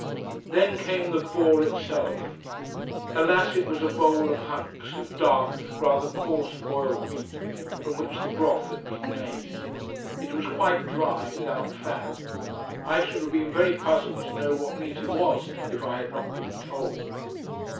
Then came the boar itself. Alas, it was a bowl of hunks of dark, rather coarse boiled meat, from which the broth had been made. It was quite dry, without fat. I should have been very puzzled to know what meat it was, if I had not been told.